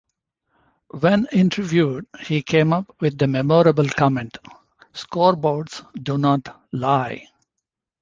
When interviewed he came up with the memorable comment: Scoreboards do not lie!